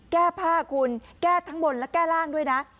แก้ผ้าคุณแก้ทั้งบนและแก้ร่างด้วยนะ